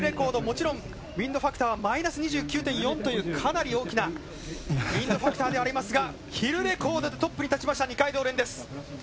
もちろんウインドファクターはマイナス２９．４というかなり大きなウインドファクターではありますが、ヒルレコードでトップに立ちました二階堂蓮です。